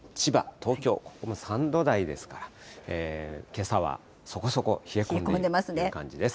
東京ここも３度台ですから、けさはそこそこ冷え込むという感じです。